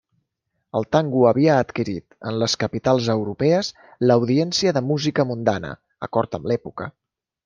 El tango havia adquirit, en les capitals europees, l'audiència de música mundana, acord amb l'època.